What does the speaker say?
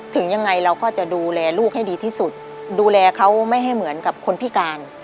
ถึงยังไงเราก็จะดูแลลูกให้ดีที่สุดดูแลเขาไม่ให้เหมือนกับคนพิการ